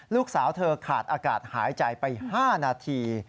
ลูกสาวเธอขาดอากาศหายใจไป๕นาที